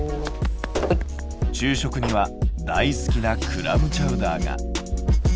昼食には大好きなクラムチャウダーが。